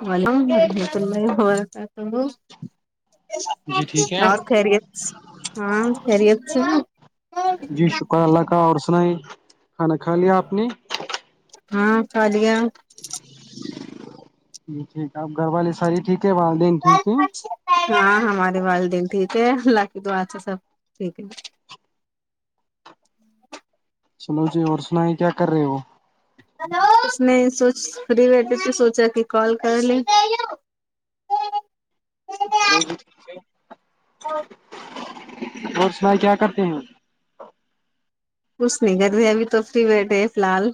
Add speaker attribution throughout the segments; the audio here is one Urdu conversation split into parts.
Speaker 1: [unintelligible] نہیں ہو
Speaker 2: جی ٹھیک ہے
Speaker 1: اور خری ہاں خری
Speaker 2: جی شکر اللہ کا اور سنائیے کھانا کھا لیا آپ نے
Speaker 1: ہاں چ بیا
Speaker 2: جی ٹھیک ہے آپ گھر والے ساری ٹھیک ہے والدین ٹھیک ہے
Speaker 1: ہاں ہمار والے دن ٹھیک ہے اللہ کی دو آھا سب ٹھیک ہے
Speaker 2: چلو جی اور سنائیں کیا کر رہے وہ
Speaker 1: اس نے سوچ فری بیھے سے سوچا کہ کال کر لیں
Speaker 2: چلو ج اور سنا کیا کرتے ہیں
Speaker 1: کچھ نہیں کر رہتے ابھی تو فری بیٹھے فی الحال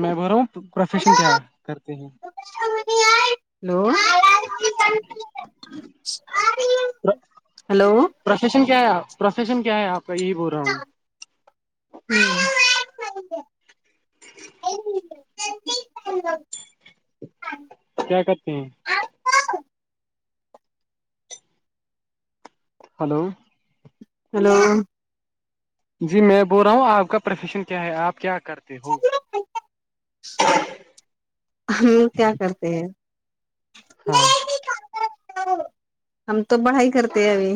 Speaker 2: میں بول رہا ہوں پروفیشن کیا کرتے ہیں
Speaker 1: ہلو ہلو
Speaker 2: پرفشن کیا ہے آپ پروفیشن کیا ہے آپ کہی بول رہا ہوں
Speaker 1: ہلو [inaudible]
Speaker 2: کیا کرتے ہیں ہلو
Speaker 1: ہلو
Speaker 2: جی میں بول رہا ہوں آپ کا پروفیشن کیا ہے آپ کیا کرتے ہو
Speaker 1: ہم لوگ کیا کرتے ہیں
Speaker 2: ہاں [unintelligible]
Speaker 1: ہم تو پڑھائی کرتے ہیں ابھی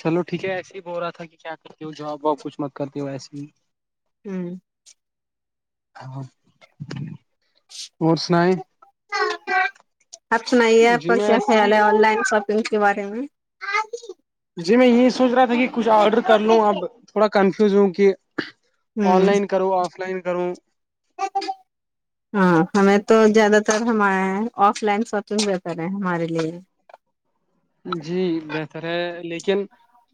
Speaker 2: چلو ٹھیک ہے ایسے ہی ب ہو رہا تھا کہ کیا کرتی ہو جاب و کچھ مت کرتی ہو ایسے ہی
Speaker 1: ہوں
Speaker 2: اور سنایں
Speaker 1: آپ سنائیے آپ
Speaker 2: جی
Speaker 1: کا
Speaker 2: میں
Speaker 1: کیا
Speaker 2: ایسے ہی
Speaker 1: خیال ہے آن لائن شاپ کے بارے میں
Speaker 2: جی میں یہی سوچ رہا تھا کہ کچھ آرڈر کر لوں اب تھوڑا کنفی چوںکہ [unintelligible] آن لائن کرو آف لائن کروں
Speaker 1: ہاں ہمیں تو زیادہ تر ہمار آف لائن شاپنگ بھی کرے ہمارے لیے
Speaker 2: جی بہتر ہے لیکن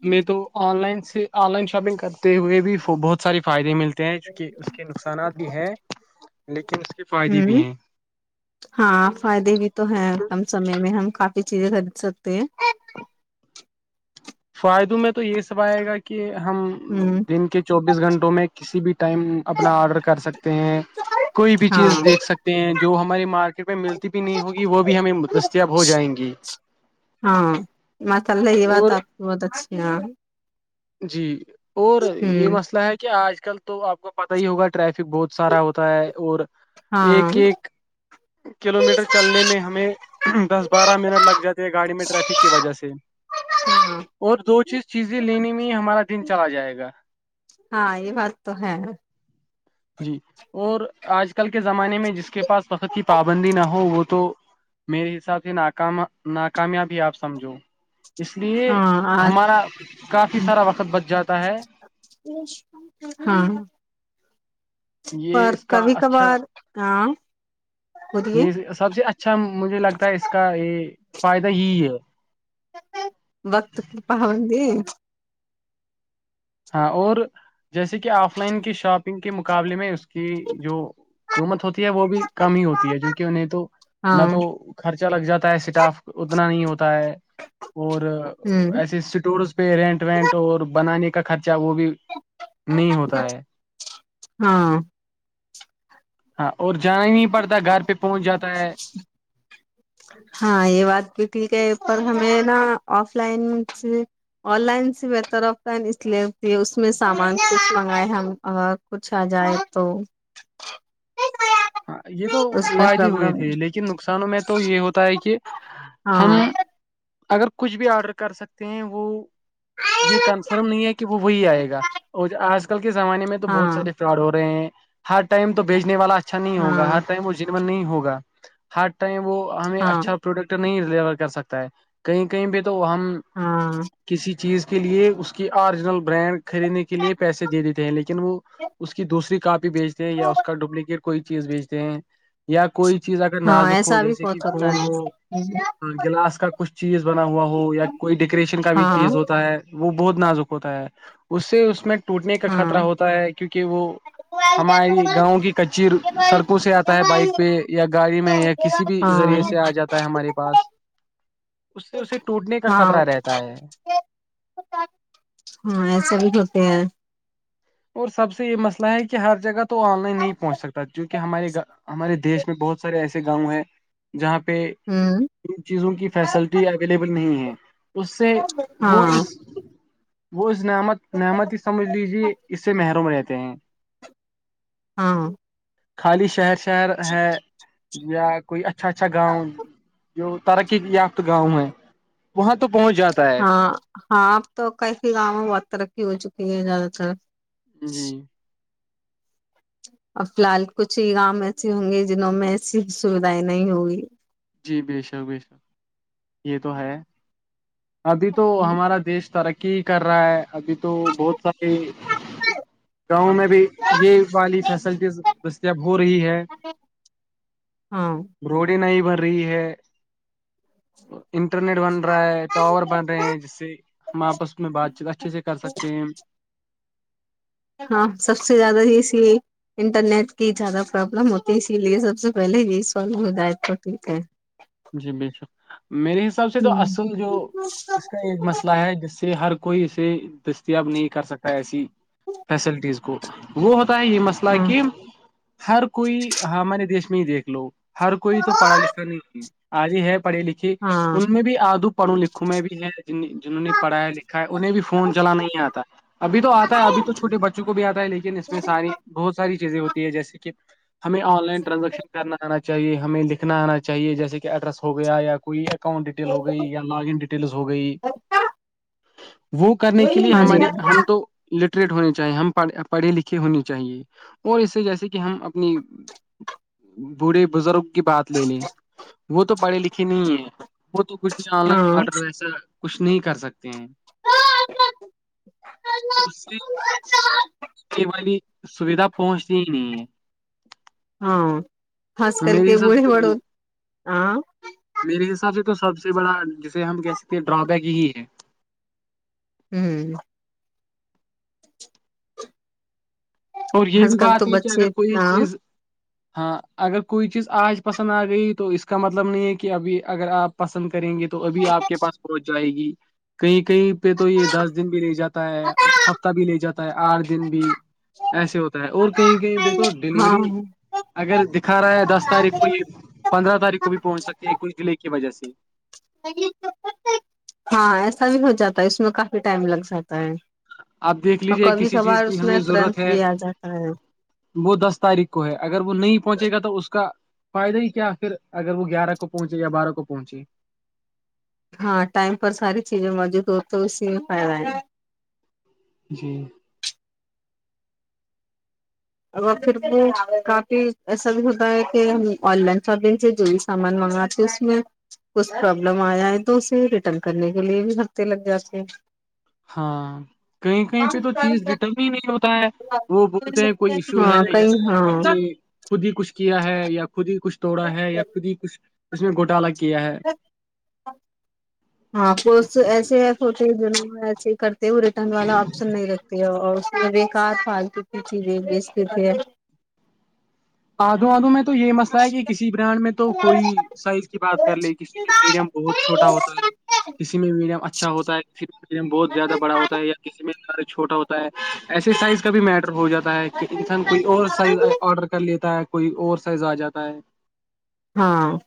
Speaker 2: میں تو online online shopping کر ہوئے بھی بہت سارے فائدے ملتے ہیں چکہ اس کے نقصانات بھی ہیں لیکن اس کے فائدے
Speaker 1: ہوں
Speaker 2: بھی ہیں
Speaker 1: ہاں فائدے بھی تو ہیں کم سمے میں ہم کافی چیزیں خرید سکتے ہیں
Speaker 2: فائدوں میں تو یہ سب آئے گا کہ ہم
Speaker 1: ہوں
Speaker 2: دن کے چوبیس گھنٹوں میں کسی بھی ٹائم اپنا آرڈر کر سکتے ہیں کوئی بھی
Speaker 1: ہاں
Speaker 2: چیز دیکھ سکتے ہیں جو ہماری مارکیٹ میں ملتی بھی نہیں ہوگی وہ بھی ہمیں دستیاب ہو جائیں گی
Speaker 1: ہاں
Speaker 2: اور
Speaker 1: ہ [unintelligible]
Speaker 2: جی اور یہ مسئلہ ہے کہ آج کل تو آپ کو پت ہی ہوگا ٹریفک بہت سارا ہوتا ہے اور
Speaker 1: ہاں
Speaker 2: ایک ایک کلو میٹر چلنے میں ہمیں دس بارہ منٹ لگ جاتے ہیں گاڑی میں ٹریفک کی وجہ سے
Speaker 1: ہاں
Speaker 2: اور دو چیز چیزیں لینے میں ہی ہمارا دن چلا جائے گا
Speaker 1: ہاں یہ بات تو ہے
Speaker 2: جی اور آج ک اج کل کے زمانے میں جس کے پاس وقت کی پابندی نہ ہو وہ تو میرے حساب سے ناکام ناکامیابی آپ سمجھو اس لیے
Speaker 1: ہاں
Speaker 2: ہمارا کافی سارا وقت بچ جاتا ہے یہ
Speaker 1: اور
Speaker 2: اس کا
Speaker 1: کبھی
Speaker 2: اچھا
Speaker 1: کبھار ہاں بولیے
Speaker 2: یہ سب سے اچھا مجھے لگتا ہے اس کا یہ فائدہ ہی ہے
Speaker 1: وقت کی پابندی
Speaker 2: ہاں اور جیسے کہ آف لائن کی شاپنگ کے مقابلے میں اس کی جو قیمت ہوتی ہے وہ بھی کم ہی ہوتی ہے جوونک انہیں تو نہ
Speaker 1: ہاں
Speaker 2: تو خرچ اچا لگ جاتا ہے اسٹاف اتنا نہیں ہوتا ہے اور
Speaker 1: ہ
Speaker 2: ایسے اسٹورز پہ رینٹ وینٹ اور بنانے کے خط چ وہ بھی نہیں ہوتا ہے
Speaker 1: ہاں
Speaker 2: ہاں اور جانا ہی نہیں پڑتا گھر پہ پہنچ جاتا ہے
Speaker 1: ہاں یہ بات بھی ٹھیک ہے پر ہمیں نا آف لائن سے آن لائن سے بہتر آف لائن اس لیے اس میں سامان کچھ منگائے ہم ا کچھ آ جائے تو
Speaker 2: ہاں یہ تو
Speaker 1: اس میں
Speaker 2: فائدے ہوئے
Speaker 1: پرابلم
Speaker 2: تھے لیکن نقصانوں میں تو تو یہ ہوتا ہے کہ ہم
Speaker 1: ہاں
Speaker 2: اگر کچھ بھی آرڈر کر سکتے ہیں وہ یہ کنفرم نہیں ہے کہ وہ وہی آئے گا اور آج کل کے زمانے میں تو بہت
Speaker 1: ہاں
Speaker 2: سارے فراڈ ہو رہے ہیں ہر ٹائم تو بیچنے والا ہے اچھا نہیں ہوگا
Speaker 1: ہاں
Speaker 2: ہر ٹائم وہ نم میں نہیںگا گا ہر ٹائم وہ ہمیں
Speaker 1: ہاں
Speaker 2: اچھا پروڈکٹ نہیں رہ لیر کر سکتا ہے کہیں کہیں بھی تو تو ہم
Speaker 1: ہاں
Speaker 2: کسی چیز کے لیے اس کی آرییجنل برانڈ خریدنے کے لیے پیسے دے دیتے ہیں لیکن وہ اس کی دوسری بھیچتے ہیں یا اس کا ڈوپلیکیٹ کوئی چیز بھیچتے ہیں یا کوئی چیز اگر
Speaker 1: ہاں
Speaker 2: نازک ہو
Speaker 1: ایسا بھی
Speaker 2: جیسے کہ
Speaker 1: بہت ہوتا
Speaker 2: فون ہو
Speaker 1: ہے
Speaker 2: ہ گلاس کا کچھ چیز بنا ہوا ہو یا کوئی ڈیکوریشن کا بھی
Speaker 1: ہاں
Speaker 2: چیز ہوتا ہے وہ بہت نازک ہوتا ہے اس سے اس میں ٹوٹنے کا
Speaker 1: ہاں
Speaker 2: خطر ہوتا ہے کیونکہ وہ ہماری
Speaker 1: ہاں
Speaker 2: گاؤں کی ک پ سڑکوں سے آتا ہے بائک پہ یا گاڑی میں یا کسی بھی ذریعے سے آ جاتا ہے ہمارے پاس اس سے اسے ٹوٹنے کا
Speaker 1: ہاں
Speaker 2: خطرہ رہتا ہے
Speaker 1: ہاں ایسے بھی ہوتے ہیں
Speaker 2: اور سب سے یہ مسئلہ ہے کہ ہر جگہ تو آن لائن نہیں پہنچکتا جو کہ ہمارے گ ہمارے دیش میں بہت سارے ایسے گاؤں ہیں جہاں پہ
Speaker 1: ہوں
Speaker 2: ان چیزوں کی فیسلٹی اویلیبل نہیں ہے ہ [inaudible] اس سے وہ اس
Speaker 1: ہاں
Speaker 2: وہ [unintelligible] نامت نامت ہی سمجھ لیجے مروں میں رہتے ہیں
Speaker 1: ہاں
Speaker 2: خالی شہر سے شہر ہے یا کوئی اچھا اچھا گاؤں جو ترقی یافت گاؤں ہے وہاں تو پہنچ جاتا ہے
Speaker 1: ہاں ہاں اب تو کف گاؤں میں بہت ترقی ہو چکی ہے زیادہ تر اچھا
Speaker 2: جی
Speaker 1: اور فی الحال کچھ ہی گؤ ایسے ہوں گے جنوں میں ایسی سوھائیں نہیں ہوگی
Speaker 2: جی بے شک بے شک یہ تو ہے ابھی تو ہمارا دیش ترقی کہ کر رہا ہے ابھی تو بہت سارے گاؤں میں بھی یہ والی فیسلٹیز دستیاب ہو رہی ہے
Speaker 1: ہاں
Speaker 2: روڈیں نہیں بھر فری ہے انٹرنیٹ بن رہا ہے ٹاور بن رہے ہیں جس سے ہم آپس میں بات چیت اچھے سے کر سکتے ہیں
Speaker 1: ہاں سب سے زیادہ یہی انٹرنیٹ کی زیادہ پرابلم ہوتی ہے اسی لیے سب سے پہلے یہی سالو ہو جائے تو ٹھیک ہے
Speaker 2: جی بالکل میرے حساب سے تو اصل جو اس کا ایک مسئلہ ہے جس سے ہر کوئی اسے دستیاب نہیں کر سکتا ہے ایسی فیسلٹیز کو وہ ہو ہے یہ مسئلہ
Speaker 1: ہاں
Speaker 2: کہ ہر کوئی ہمارے دیش میں دیکھ لو ہر کوئی تو پڑھا لکھا نہیں کیا اد ہے پڑھے لکھے
Speaker 1: ہاں
Speaker 2: ان میں بھی آدو پڑھوں لکھوں میں بھی ہے جنہوں نے پڑھیا لکھا ہے انہیں بھی فون چلان نہیں آتا ابھی تو آتا ہے ابھی تو چھوٹے بچوں کو بھی آتا ہے لیکن اس میں ساری بہت ساری چیزیں ہوتی ہے جیسے کہ ہمیں آن لائن ٹانزیکش کر آنا چاہیے ہمیں لکھنا آنا چاہیے جیسے کہ ایڈرس ہو گیا یا کوئی اکاؤنٹ ڈیٹیل ہو گئی یا لاگن ڈیٹیل ہو گئی وہ کرنے کے لیے
Speaker 1: ہاں جی
Speaker 2: ہمارے ہم
Speaker 1: ہاں
Speaker 2: تو ل ہو چاہے ہم پڑھے لکھے ہونے چاہیے اور اس سے جیسے کہ ہم اپنی بوڑے بزرگ کی بات لے لی وہ تو پڑھے لکھے نہیں ہے وہ تو کچھ آن لائن آرڈر ویسے کچھ نہیں کر سکتے ہیں اس سے والی سویدھا پہنچتی ہی نہیں ہے
Speaker 1: ہاں خص کل کے
Speaker 2: میرے حساب سے
Speaker 1: بڑے
Speaker 2: تو
Speaker 1: وڑ
Speaker 2: یہ
Speaker 1: ہاں
Speaker 2: میرے حساب سے تو سب سے بڑا جسے ہم کہہ سکتے ہیں ڈرا بیک یہی ہے
Speaker 1: ہوں
Speaker 2: اور یہ
Speaker 1: آج
Speaker 2: بھی
Speaker 1: کل تو
Speaker 2: بات ہے کہ اگر
Speaker 1: بچے
Speaker 2: کوئی چیز
Speaker 1: ہاں
Speaker 2: ہاں اگر کوئی چیز آج پسند آ گئی تو اس کا مطلب نہیں ہے کہ ابھی اگر آپ پسند کریں گے تو ابھی آپ کے پاس پہنچ جائے گی کہیں کہیں پہ تو یہ دس دن بھی لے جاتا ہے ہفتہ بھی لے جاتا ہے آٹھ دن بھی ایسے ہوتا ہے اور کہیں کہیں تو
Speaker 1: ہاں
Speaker 2: ڈیلیوری اگر دکھا رہا ہے دس تاریخ کو ہی پندرہ تاریخ کو بھی پہنچ سکتے ہیں کچھ ڈلع کی وجہ سے
Speaker 1: ہاں ایسا بھی ہو جاتا ہے اس میں کافی ٹائم لگ جاتا ہے
Speaker 2: آپ دیکھ
Speaker 1: اور
Speaker 2: لیجے
Speaker 1: کبھی
Speaker 2: کسی چیز
Speaker 1: کبھار
Speaker 2: کی
Speaker 1: اس میں
Speaker 2: ہمیں ضرورت
Speaker 1: ترنت
Speaker 2: ہے
Speaker 1: بھی آ جاتا ہے
Speaker 2: وہ دس تاریخ کو ہے اگر وہ نہیں پہنچے گا تو اس کا فائدہ ہی کیا پھر اگر وہ گیارہ کو پہنچے یا بارہ کو پہنچی
Speaker 1: ہاں ٹائم پر ساری چیزیں موجود ہو تو اسی میں فائدہ ہے
Speaker 2: جی
Speaker 1: اور پھر بھی کافی ایسا بھی ہوتا ہے کہ ہم آن لائن شاپنگ سے جو بھی سامان منگاتے اس میں کچھ پرابلم آیا ہے تو اسے ریٹرن کرنے کے لیے بھی ہفتے لگ جاتے ہیں
Speaker 2: ہاں کہیں کہیں پہ تو چیز ڈیٹرن ہی نہیں ہوتا ہے وہ بولتے ہیں کوئی ایشو ہے
Speaker 1: ہاں
Speaker 2: یا
Speaker 1: کئی
Speaker 2: اپ نے
Speaker 1: ہاں
Speaker 2: خود ہی کچھ کیا ہے یا خود ہی کچھ توڑا ہے یا خود ہی کچھ جس میں گوٹا لگ
Speaker 1: ہاں پس ایسے ہیں چھوٹے دونوں وسے کر وہ ریٹرن والا آپشن نہیں رکھتی ہے اور بےیکار پالتے پیچے دیک بیچتے تھ
Speaker 2: آدو آدو میں تو یہ مسئلہ ہے کہ کسی برانڈ میں تو کوئی سائز کی بات کر لے کسی میں میڈیم بہت چھوٹا ہوتا ہے کسی میں میڈیم اچھا ہوتا ہے کسی میں میڈیم بہت زیادہ بڑا ہوتا ہے یا کسی میں چھوٹا ہوتا ہے [unintelligible] ایسے سائز کا بھی میٹر ہو جاتا ہے کہ انسان کوئی اور سائز آڈر [unintelligible] دیتا ہے کوئی اور سائز آ جاتا ہے
Speaker 1: ہاں [unintelligible]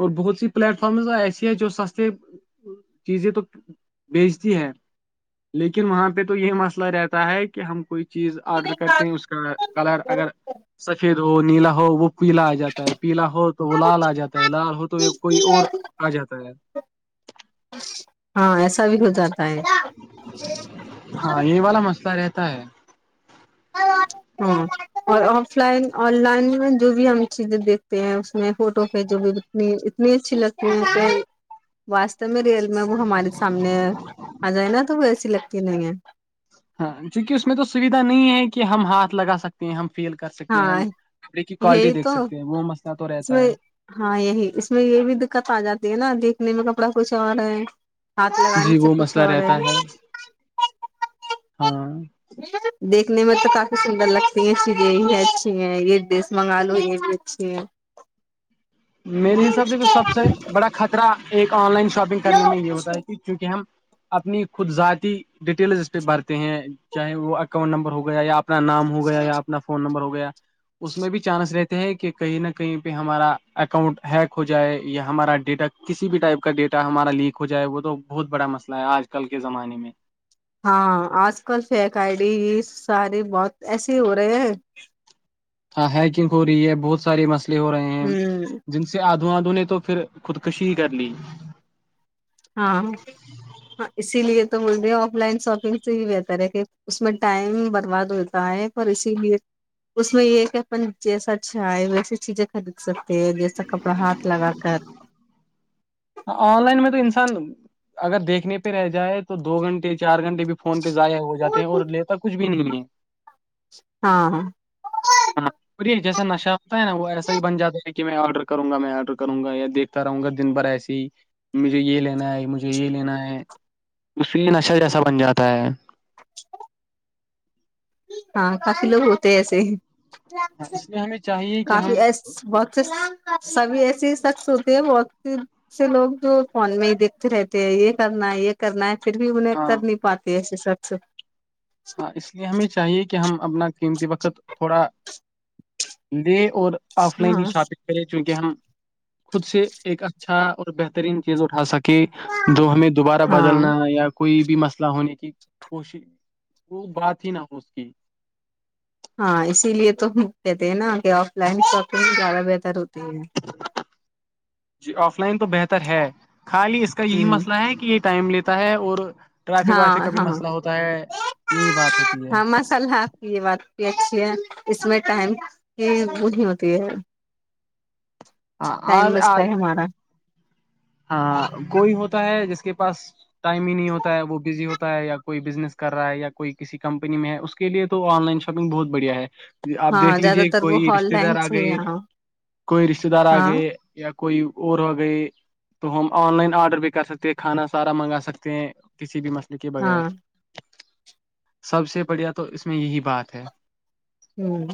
Speaker 2: اور بہت سی پلیٹ فارمز ایسی ہیں جو سستے چیزیں تو بیچتی ہیں لیکن وہاں پہ تو یہ مسئلہ رہتا ہے کہ ہم کوئی چیز آرڈر کرتے ہیں اس کا کلر اگر سفید [unintelligible] تو وہ نیلا ہو وہ پیلا آ جاتا ہے پیلا ہو تو وہ لال آ جاتا ہے [unintelligible] لال ہو تو کوئی اور آ جاتا ہے [unintelligible]
Speaker 1: ہاں ایسا بھی ہوتا نا [unintelligible]
Speaker 2: ہاں یہ والا مسئلہ رہتا ہے [unintelligible]
Speaker 1: ہاں اور آف لائن آن لائن میں جو بھی ہم چیزیں دیکھتے ہیں اس میں فوٹو جو بھی انی اتنی اچھی لگتی ہیں ا ے میں ریئل میں وہ ہمارے سامنے آ جائے نا تو وسے [unintelligible] لگی نہیں ہے [unintelligible]
Speaker 2: ہاں چونکہ اس میں تو سویدھا نہیں ہے کہ ہم ہاتھ لگا سکتے ہیں ہم فیل کر سکتے ہیں
Speaker 1: ہاں
Speaker 2: ہم کپڑے کی کوالٹی
Speaker 1: یہی تو
Speaker 2: دیکھ سکتے ہیں وہ مسئلہ تو
Speaker 1: اس
Speaker 2: رہتا
Speaker 1: میں
Speaker 2: ہے
Speaker 1: ہاں یہی اس میں یہ بھی دقت آ جاتی ہے نا دیک کنے میں کپڑا کچھ آ رہا ہے [unintelligible] ہاتھ لگانے
Speaker 2: جی
Speaker 1: سے
Speaker 2: وہ
Speaker 1: کچھ
Speaker 2: مسئلہ
Speaker 1: اور ہے
Speaker 2: رہتا
Speaker 1: [unintelligible]
Speaker 2: ہاں [unintelligible]
Speaker 1: دیکھنے میں تو کافی سندر لگتی ہیں چیز یہی ہے اچھی ہے یہ ڈریس منگا لو یہ بھی اچھی ہے
Speaker 2: میرے حساب سے جو سب سے بڑا خطرہ ایک [unintelligible] آن لائن شاپنگ کرنے میں یہ ہوتا ہے کہ کیونکہ ہم [unintelligible] اپنی خود ذاتی ڈیٹیلز اس پہ بھرتے ہیں چاہے وہ اکاؤنٹ نمبر ہو گیا یا آپ اپنا نام ہو گیا یا اپنا فون نمبر ہو [unintelligible] ہویا [unintelligible] اس میں بھی چانس رہتے [unintelligible] کہ کہیں نہ کہیں پہ ہمارا [unintelligible] اکاؤنٹ ہیک ہو جائے یا ہمارا ڈیٹا کسی بھی ٹائپ کا ڈیٹا ہمارا لیک ہو جائے وہ تو بہت بڑا مسئلہ ہے آج کل کے زمانے میں
Speaker 1: ہاں آج کل فیک آئی ڈی سارے بہت ایسے ہی ہو رہے ہیں
Speaker 2: ہاں ہیکنگ ہو رہی ہے بہت سارے مسئے ہو رہے ہیں
Speaker 1: ہ
Speaker 2: جن سے آد [unintelligible] دھودو نے تو پھر خودکشی ہی کر لی [unintelligible]
Speaker 1: ہاں ہاں اسی لیے تو بے آف لائن شاپنگ سے ہی بہتر ہے کہ اس میں ٹائم برباد ہوتا ہے پر اسی لیے اس میں یہ ہے کہ اپ جیسا ا چ ہے ویسی چیزیں خرید سکتے ہیں جیسا کپڑا ہاتھ لگا کر [unintelligible]
Speaker 2: آن لائن میں تو انسان اگر دیکھنے پہ رہ جائے تو دو گھنٹے چار گھنٹے بھی فون پہ ضائع ہو جاتے ہیں اور لیتا کچھ بھی نہیں ہے [unintelligible]
Speaker 1: ہاں
Speaker 2: ایا نشہ ہوتا ہے نا وہ ایسا ہی بن جاتا ہے کہ میں آڈر کروں گا میں آڈر کروں گایا دیکھتا رہوں گا دن بھر ایسے مجھے یہ لینا ہے مجھے یہ لینا ہے اس سے نشہ جیسا بن جاتا ہے
Speaker 1: ہاں کافی لوگ ہوتے ہیں ایسے
Speaker 2: ہاں، اس لیے ہمیں چاہیے کہ
Speaker 1: کافی
Speaker 2: ہم
Speaker 1: ای بہت سے سبھی ایسے ہی شخص ہوتے ہیں بہت سے لوگ جو فون میں ہی دیکھتے رہتے ہیں یہ کرنا ہے یہ کرنا ہے پھر بھی انہیں
Speaker 2: ہاں
Speaker 1: کر نہیں پاتی ای اچ اچھا
Speaker 2: ہاں اس لیے ہمیشہ چاہیے کہ ہم اپنا قیمتی وقت تھوڑا [inaudible] اور آف لائن
Speaker 1: ہاں
Speaker 2: ہی شاپنگ کرے چونکہ ہم خود سے ایک اچھا اور بہترین چیز اٹھا سکتا کہ جو ہمیں دوبارہ
Speaker 1: ہاں
Speaker 2: بدلنا یا کوئی بھی مسئلہ ہونے کی کوشش وہ بات ہی نہ ہو اس کی
Speaker 1: ہاں اسی لیے تو کہتے ہیں نا کہ آف لائن شاپنگ زیادہ بہتر ہوتی ہے
Speaker 2: جی آف [unintelligible] لائن تو بہتر ہے خالی اس کا یہی
Speaker 1: ہوں
Speaker 2: مسئلہ ہے کہ یہ ٹائم لیتا ہے اور ٹریفک
Speaker 1: ہاں
Speaker 2: وافک کا بھی
Speaker 1: ہاں
Speaker 2: مسئلہ ہوتا ہے یہی بات ہوتی ہے
Speaker 1: ہاں مسالحہ کی یہ بات کیے اس میں ٹائم ہی وہ نہیں ہوتی ہے ٹائم
Speaker 2: ہاں
Speaker 1: بچتا ہے ہمارا
Speaker 2: ہاں کوئی ہوتا ہے جس کے پاس ٹائم ہی نہیں ہوتا ہے وہ بزی ہوتا ہے یا کوئی بزنس کر رہا ہے یا کوئی کسی کمپنی میں ہے اس کے لیے تو آن لائن شاپنگ بہت بڑھیا ہے آپ
Speaker 1: ہاں
Speaker 2: دیکھ
Speaker 1: زیادہ
Speaker 2: لیجے
Speaker 1: تر وہ
Speaker 2: کوئی
Speaker 1: آن
Speaker 2: رشتے دار
Speaker 1: لائن
Speaker 2: آ
Speaker 1: سے
Speaker 2: گئے
Speaker 1: ہاں
Speaker 2: کوئی رشتے دار آ
Speaker 1: ہاں
Speaker 2: گئے یا کوئی اور آ گئے تو ہم آن لائن آرڈر بھی کر سکتے ہیں کھانا سارا منگا سکتے ہیں کسی بھی مسئلہ کے بغیر
Speaker 1: ہاں
Speaker 2: سب سے بڑھیا تو اس میں یہی بات ہے
Speaker 1: ھممم